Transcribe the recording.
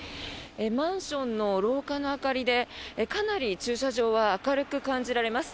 マンションの廊下の明かりでかなり、駐車場は明るく感じられます。